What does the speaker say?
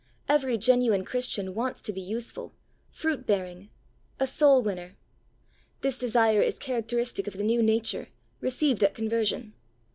Every genuine Christian wants to be useful, fruit bearing, a soul winner. This desire is characteristic of the new nature, received at conversion.